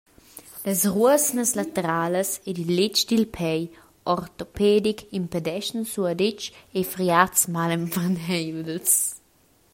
Las ruosnas lateralas ed il letg dil pei ortopedic impedeschan suadetsch e friads malemperneivels.